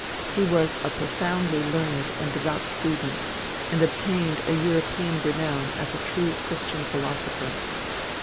He was a profoundly learned and devout student, and obtained a European renown as a true Christian philosopher.